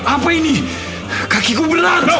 apa ini kakiku berapa